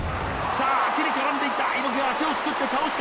さあ足に絡んでいった猪木が足をすくって倒した！